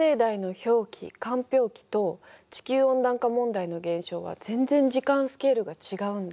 氷期と地球温暖化問題の現象は全然時間スケールが違うんだ。